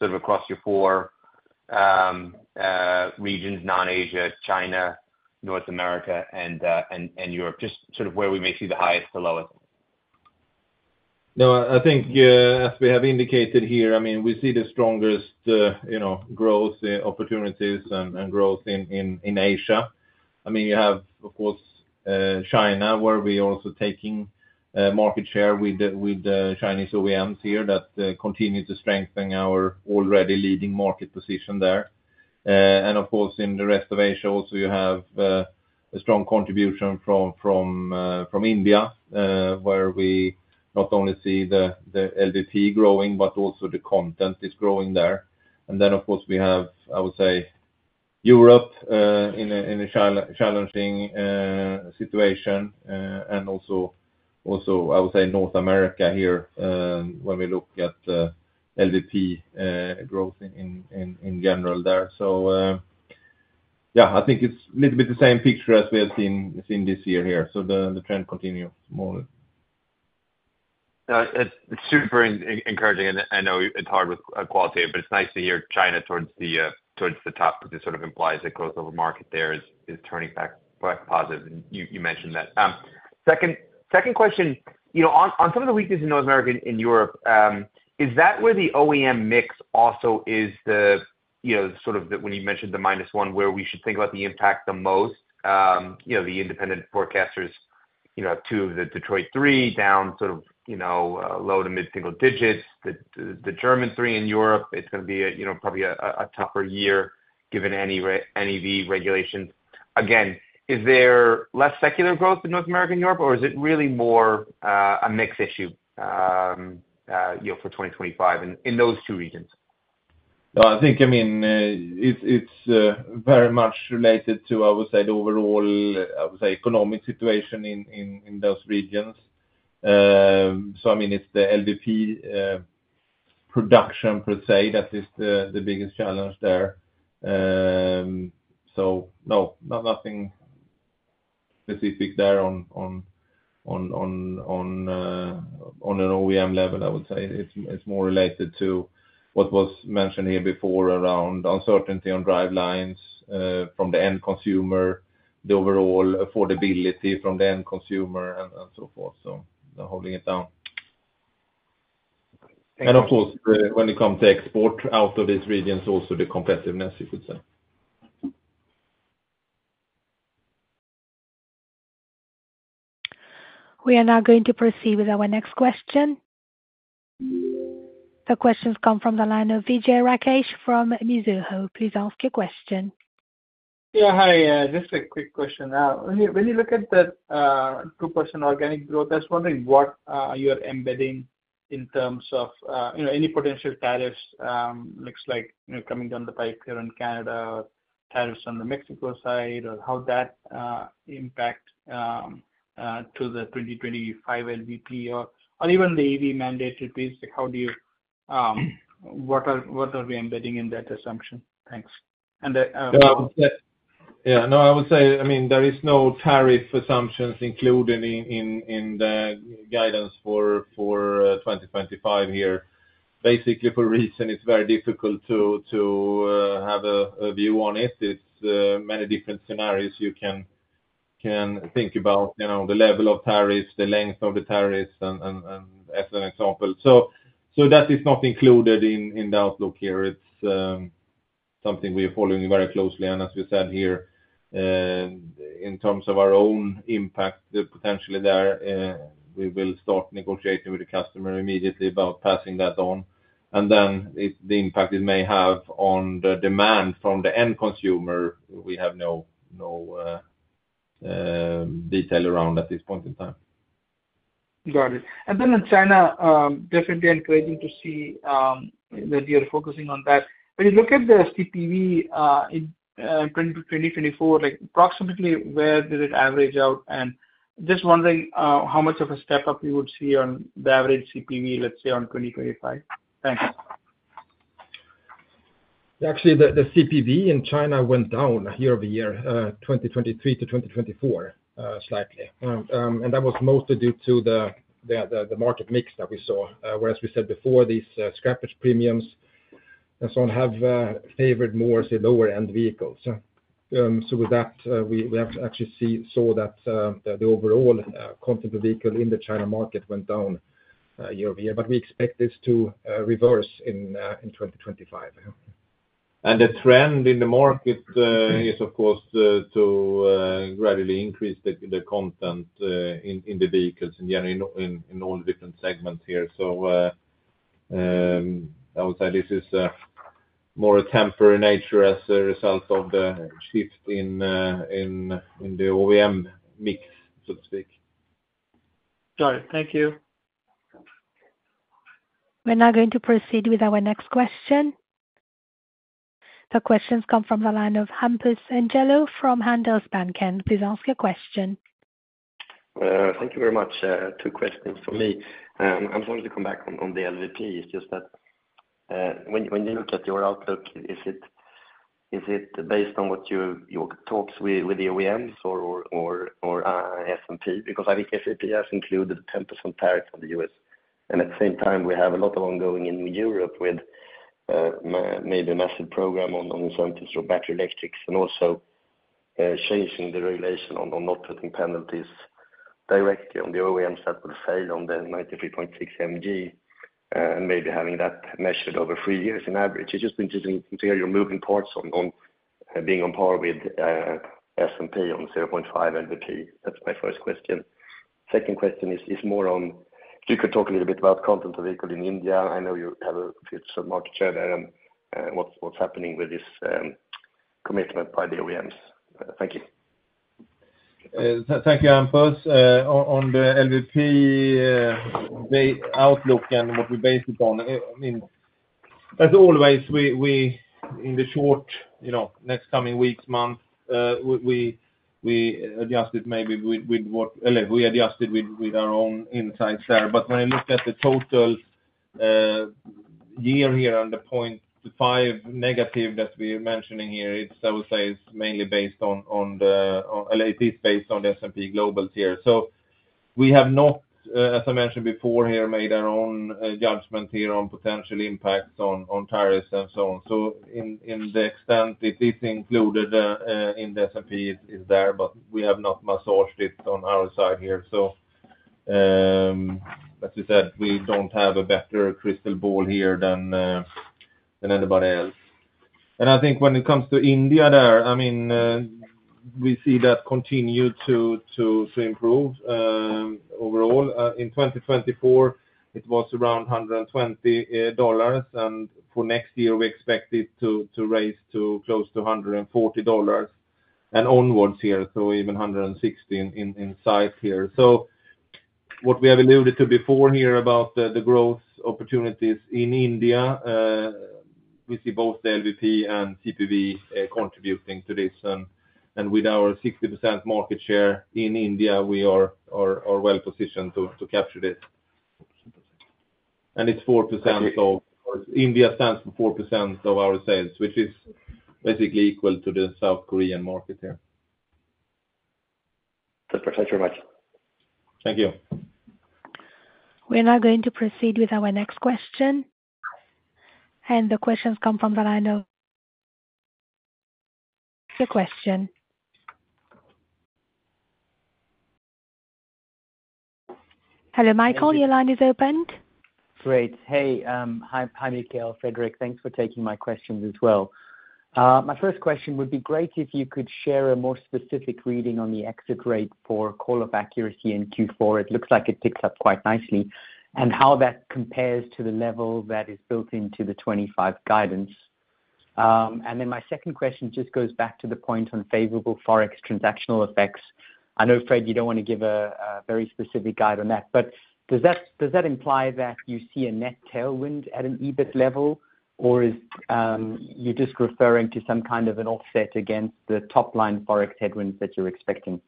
sort of across your four regions, non-Asia, China, North America, and Europe, just sort of where we may see the highest, the lowest. No, I think as we have indicated here, I mean, we see the strongest growth opportunities and growth in Asia. I mean, you have, of course, China, where we are also taking market share with Chinese OEMs here that continue to strengthen our already leading market position there. Of course, in the rest of Asia also, you have a strong contribution from India, where we not only see the LVP growing, but also the content is growing there. Then, of course, we have, I would say, Europe in a challenging situation. Also, I would say, North America here when we look at LVP growth in general there. Yeah, I think it's a little bit the same picture as we have seen this year here. The trend continues more. It's super encouraging. I know it's hard with qualitative, but it's nice to hear China towards the top because it sort of implies that growth of the market there is turning back positive. You mentioned that. Second question, on some of the weakness in North America and Europe, is that where the OEM mix also is the sort of when you mentioned the minus one, where we should think about the impact the most? The independent forecasters have two of the Detroit 3 down sort of low to mid single digits. The German 3 in Europe, it's going to be probably a tougher year given any regulations. Again, is there less secular growth in North America and Europe, or is it really more a mix issue for 2025 in those two regions? I think, I mean, it's very much related to, I would say, the overall, I would say, economic situation in those regions. So I mean, it's the LVP production per se that is the biggest challenge there. So no, nothing specific there on an OEM level, I would say. It's more related to what was mentioned here before around uncertainty on drivelines from the end consumer, the overall affordability from the end consumer, and so forth. So holding it down. And of course, when it comes to export out of these regions, also the competitiveness, you could say. We are now going to proceed with our next question. The question comes from the line of Vijay Rakesh from Mizuho. Please ask your question. Yeah, hi. Just a quick question. When you look at the 2% organic growth, I was wondering what you're embedding in terms of any potential tariffs looks like coming down the pipe here in Canada, tariffs on the Mexico side, or how that impact to the 2025 LVP or even the EV mandated base. How do you, what are we embedding in that assumption? Thanks. And. Yeah, no, I would say, I mean, there is no tariff assumptions included in the guidance for 2025 here. Basically, for that reason, it's very difficult to have a view on it. It's many different scenarios you can think about, the level of tariffs, the length of the tariffs, and as an example. So that is not included in the outlook here. It's something we are following very closely. And as we said here, in terms of our own impact potentially there, we will start negotiating with the customer immediately about passing that on. And then the impact it may have on the demand from the end consumer, we have no detail around at this point in time. Got it. And then in China, definitely encouraging to see that you're focusing on that. When you look at the CPV in 2024, approximately where did it average out? Just wondering how much of a step up you would see on the average CPV, let's say, on 2025. Thanks. Actually, the CPV in China went down year over year, 2023-2024, slightly. That was mostly due to the market mix that we saw. Whereas we said before, these scrappage premiums and so on have favored more, say, lower-end vehicles. So with that, we actually saw that the overall content of vehicle in the China market went down year over year. We expect this to reverse in 2025. The trend in the market is, of course, to gradually increase the content in the vehicles in all different segments here. I would say this is more a temporary nature as a result of the shift in the OEM mix, so to speak. Got it. Thank you. We're now going to proceed with our next question. The question comes from the line of Hampus Engellau from Handelsbanken. Please ask your question. Thank you very much. Two questions for me. I'm sorry to come back on the LVP. It's just that when you look at your outlook, is it based on what your talks with the OEMs or S&P? Because I think S&P has included 10% tariffs on the US. And at the same time, we have a lot of ongoing in Europe with maybe a massive program on incentives for battery electrics and also changing the regulation on not putting penalties directly on the OEMs that will fail on the 93.6 g/km and maybe having that measured over three years in average. It's just interesting to hear your moving parts on being on par with S&P on 0.5 LVP. That's my first question. Second question is more on if you could talk a little bit about content per vehicle in India. I know you have some market share there and what's happening with this commitment by the OEMs. Thank you. Thank you, Hampus. On the LVP outlook and what it's based upon, I mean, as always, in the short next coming weeks, months, we adjusted maybe with what we adjusted with our own insights there. But when I look at the total year here on the -0.5% that we are mentioning here, I would say it's mainly based on, it is based on the S&P Global figure. So we have not, as I mentioned before here, made our own judgment here on potential impacts on tariffs and so on. So to the extent it is included in the S&P, it's there, but we have not massaged it on our side here. So as we said, we don't have a better crystal ball here than anybody else. And I think when it comes to India there, I mean, we see that continue to improve overall. In 2024, it was around $120 million. And for next year, we expect it to rise to close to $140 million and onwards here, so even $160 million in sight here. So what we have alluded to before here about the growth opportunities in India, we see both the LVP and CPV contributing to this. And with our 60% market share in India, we are well positioned to capture this. And it's 4% of India stands for 4% of our sales, which is basically equal to the South Korean market here. Thanks very much. Thank you. We're now going to proceed with our next question. And the question comes from the line of the questioner. Hello, Michael. Your line is open. Great. Hey, hi, Mikael, Fredrik. Thanks for taking my questions as well. My first question would be great if you could share a more specific reading on the exit rate for call-off accuracy in Q4. It looks like it picks up quite nicely, and how that compares to the level that is built into the 2025 guidance. And then my second question just goes back to the point on favorable forex transactional effects. I know, Fred, you don't want to give a very specific guide on that, but does that imply that you see a net tailwind at an EBIT level, or are you just referring to some kind of an offset against the top-line forex headwinds that you're expecting?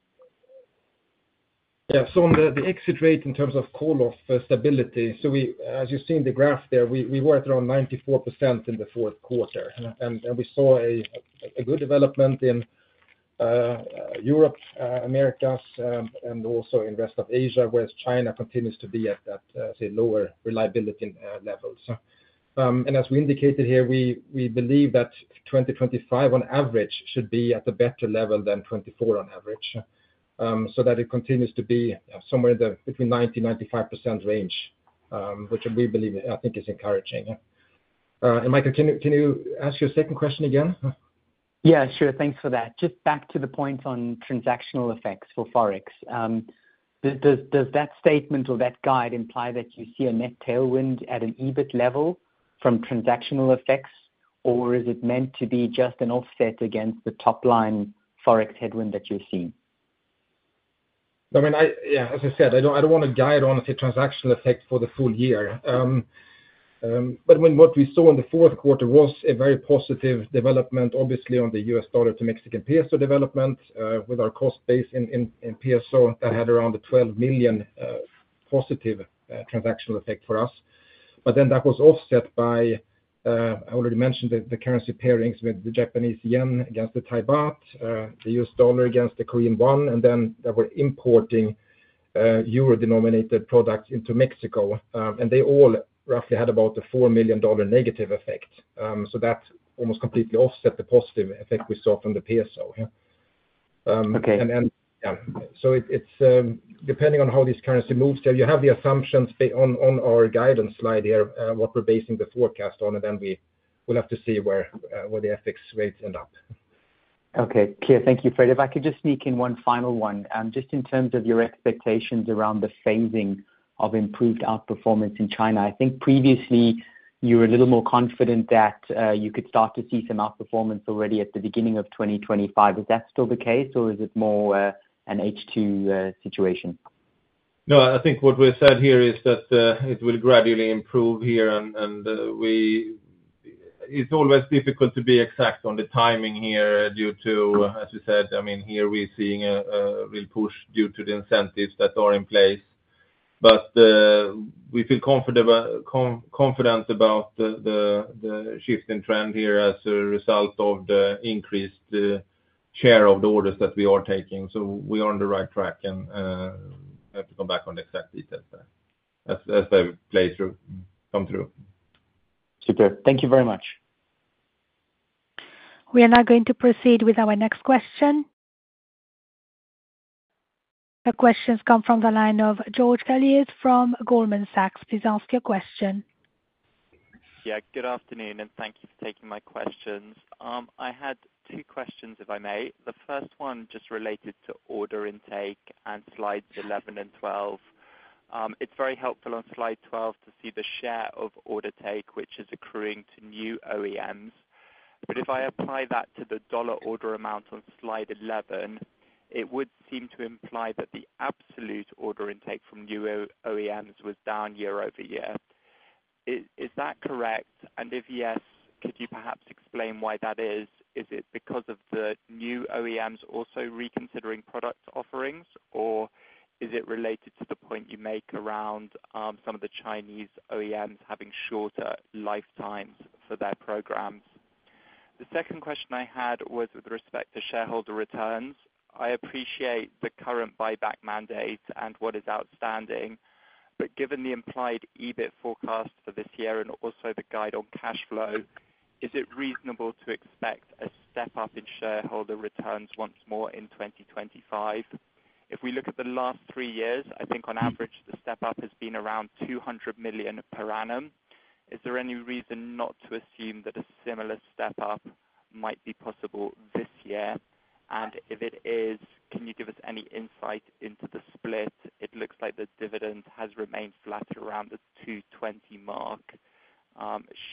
Yeah, so on the exit rate in terms of call-off stability, so as you see in the graph there, we were at around 94% in the fourth quarter. And we saw a good development in Europe, Americas, and also in the rest of Asia, where China continues to be at that lower reliability level. And as we indicated here, we believe that 2025 on average should be at a better level than 2024 on average, so that it continues to be somewhere between 90%-95% range, which we believe, I think, is encouraging. And Michael, can you ask your second question again? Yeah, sure. Thanks for that. Just back to the point on transaction effects for forex. Does that statement or that guide imply that you see a net tailwind at an EBIT level from transactional effects, or is it meant to be just an offset against the top-line forex headwind that you've seen? I mean, yeah, as I said, I don't want to guide on the transactional effect for the full year. But I mean, what we saw in the fourth quarter was a very positive development, obviously, on the US dollar to Mexican peso development with our cost base in peso that had around $12 million positive transactional effect for us. But then that was offset by, I already mentioned, the currency pairings with the Japanese yen against the Thai baht, the US dollar against the Korean won, and then there were importing euro-denominated products into Mexico, and they all roughly had about a $4 million negative effect. So that almost completely offset the positive effect we saw from the peso. And yeah, so it's depending on how this currency moves. You have the assumptions on our guidance slide here, what we're basing the forecast on, and then we'll have to see where the FX rates end up. Okay. Clear. Thank you, Fred. If I could just sneak in one final one, just in terms of your expectations around the phasing of improved outperformance in China. I think previously you were a little more confident that you could start to see some outperformance already at the beginning of 2025. Is that still the case, or is it more an H2 situation? No, I think what we've said here is that it will gradually improve here. It's always difficult to be exact on the timing here due to, as we said, I mean, here we're seeing a real push due to the incentives that are in place, but we feel confident about the shift in trend here as a result of the increased share of the orders that we are taking, so we are on the right track and have to come back on the exact details there as they come through. Super. Thank you very much. We are now going to proceed with our next question. The questions come from the line of George Galliers from Goldman Sachs. Please ask your question. Yeah, good afternoon, and thank you for taking my questions. I had two questions, if I may. The first one just related to order intake and slides 11 and 12. It's very helpful on slide 12 to see the share of order intake, which is accruing to new OEMs. But if I apply that to the dollar order amount on slide 11, it would seem to imply that the absolute order intake from new OEMs was down year over year. Is that correct? And if yes, could you perhaps explain why that is? Is it because of the new OEMs also reconsidering product offerings, or is it related to the point you make around some of the Chinese OEMs having shorter lifetimes for their programs? The second question I had was with respect to shareholder returns. I appreciate the current buyback mandate and what is outstanding, but given the implied EBIT forecast for this year and also the guide on cash flow, is it reasonable to expect a step up in shareholder returns once more in 2025? If we look at the last three years, I think on average the step up has been around $200 million per annum. Is there any reason not to assume that a similar step up might be possible this year? And if it is, can you give us any insight into the split? It looks like the dividend has remained flat around the $220 million mark.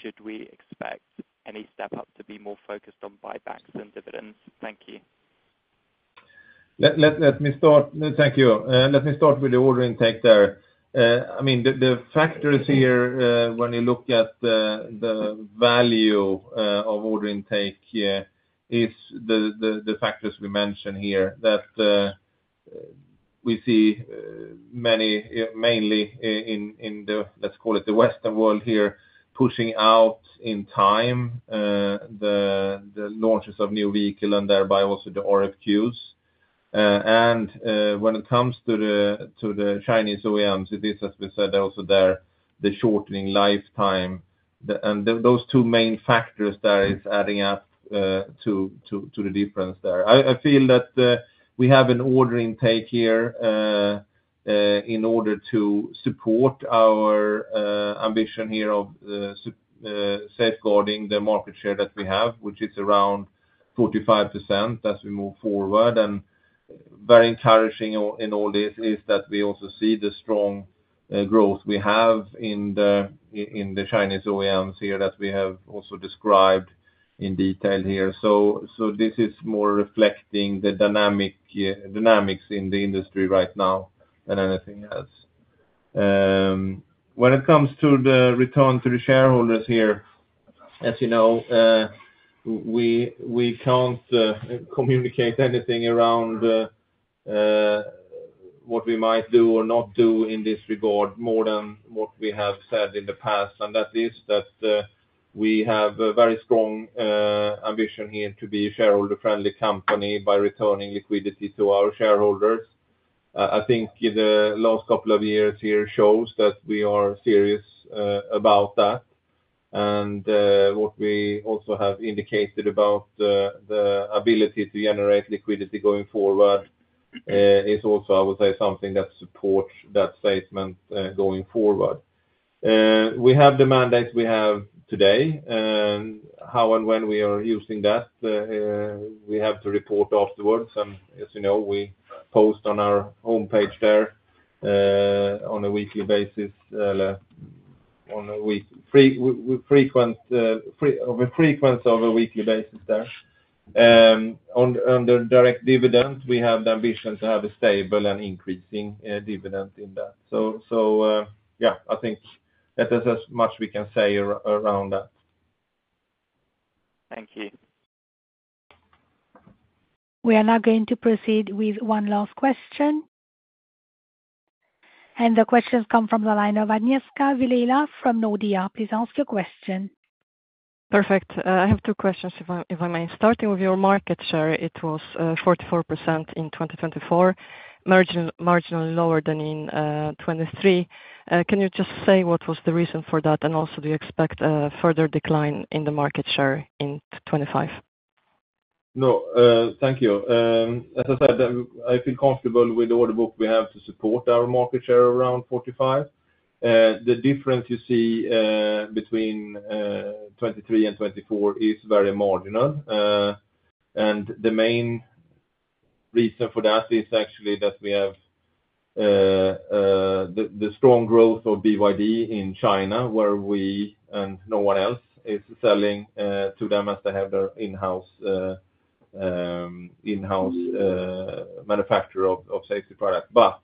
Should we expect any step up to be more focused on buybacks than dividends? Thank you. Let me start. Thank you. I mean, the factors here when you look at the value of order intake is the factors we mentioned here that we see many mainly in the, let's call it the Western world here, pushing out in time the launches of new vehicles and thereby also the RFQs. When it comes to the Chinese OEMs, it is, as we said, also there, the shortening lifetime. Those two main factors there are adding up to the difference there. I feel that we have an order intake here in order to support our ambition here of safeguarding the market share that we have, which is around 45% as we move forward. Very encouraging in all this is that we also see the strong growth we have in the Chinese OEMs here that we have also described in detail here. This is more reflecting the dynamics in the industry right now than anything else. When it comes to the return to the shareholders here, as you know, we can't communicate anything around what we might do or not do in this regard more than what we have said in the past. And that is that we have a very strong ambition here to be a shareholder-friendly company by returning liquidity to our shareholders. I think the last couple of years here shows that we are serious about that. And what we also have indicated about the ability to generate liquidity going forward is also, I would say, something that supports that statement going forward. We have the mandates we have today. How and when we are using that, we have to report afterwards. And as you know, we post on our homepage there on a weekly basis, on a frequency of a weekly basis there. Under direct dividend, we have the ambition to have a stable and increasing dividend in that. So yeah, I think that is as much we can say around that. Thank you. We are now going to proceed with one last question. The questions come from the line of Agnieszka Vilela from Nordea. Please ask your question. Perfect. I have two questions, if I may. Starting with your market share, it was 44% in 2024, marginally lower than in 2023. Can you just say what was the reason for that? And also, do you expect a further decline in the market share in 2025? No, thank you. As I said, I feel comfortable with the order book we have to support our market share around 45%. The difference you see between 2023 and 2024 is very marginal. And the main reason for that is actually that we have the strong growth of BYD in China, where we and no one else is selling to them as they have their in-house manufacturer of safety products. But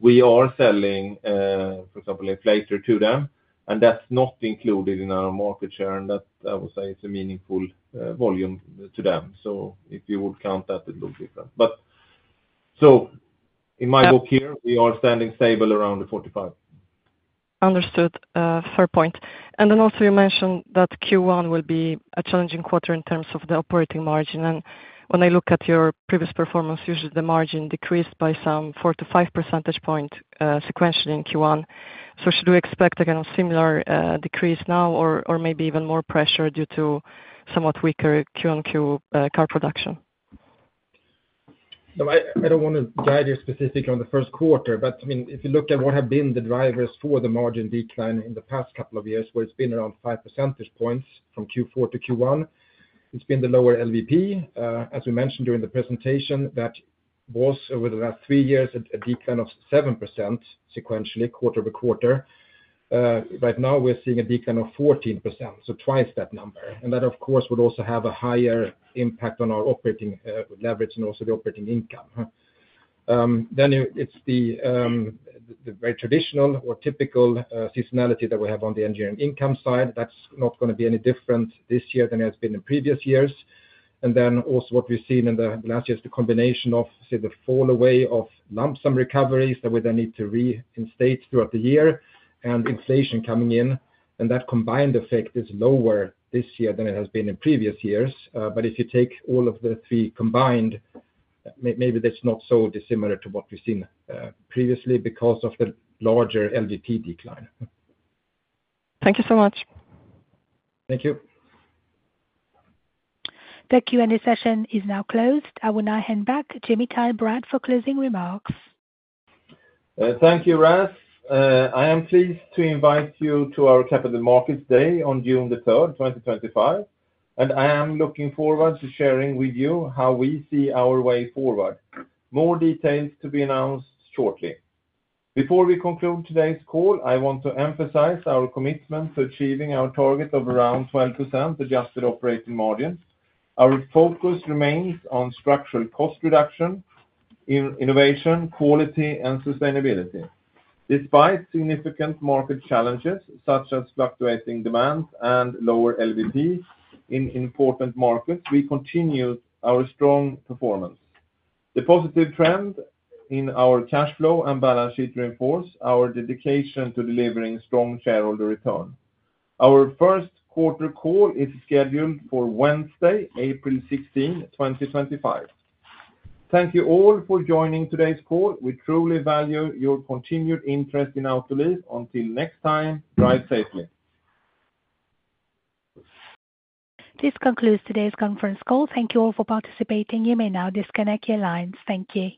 we are selling, for example, inflator to them, and that's not included in our market share. That, I would say, is a meaningful volume to them. So if you would count that, it looks different. But so in my book here, we are standing stable around the 45. Understood. Fair point. And then also you mentioned that Q1 will be a challenging quarter in terms of the operating margin. And when I look at your previous performance, usually the margin decreased by some 4-5 percentage points sequentially in Q1. So should we expect a similar decrease now or maybe even more pressure due to somewhat weaker [Q-on-Q} car production? I don't want to guide you specifically on the first quarter, but I mean, if you look at what have been the drivers for the margin decline in the past couple of years, where it's been around 5 percentage points from Q4 to Q1, it's been the lower LVP. As we mentioned during the presentation, that was over the last three years, a decline of 7% sequentially, quarter by quarter. Right now, we're seeing a decline of 14%, so twice that number. And that, of course, would also have a higher impact on our operating leverage and also the operating income. Then it's the very traditional or typical seasonality that we have on the engineering income side. That's not going to be any different this year than it has been in previous years. And then also what we've seen in the last year is the combination of, say, the fall away of lump sum recoveries that we then need to reinstate throughout the year and inflation coming in. And that combined effect is lower this year than it has been in previous years. But if you take all of the three combined, maybe that's not so dissimilar to what we've seen previously because of the larger LVP decline. Thank you so much. Thank you. The Q&A session is now closed. I will now hand back to Mikael Bratt for closing remarks. Thank you, Ralph. I am pleased to invite you to our Capital Markets Day on June 3rd, 2025. I am looking forward to sharing with you how we see our way forward. More details to be announced shortly. Before we conclude today's call, I want to emphasize our commitment to achieving our target of around 12% adjusted operating margin. Our focus remains on structural cost reduction, innovation, quality, and sustainability. Despite significant market challenges such as fluctuating demand and lower LVP in important markets, we continue our strong performance. The positive trend in our cash flow and balance sheet reinforces our dedication to delivering strong shareholder return. Our first quarter call is scheduled for Wednesday, April 16, 2025. Thank you all for joining today's call. We truly value your continued interest in Autoliv. Until next time, drive safely. This concludes today's conference call. Thank you all for participating. You may now disconnect your lines. Thank you.